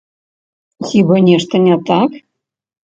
Хіба нешта не так?